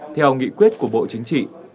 theo nghị quyết của bộ chính trị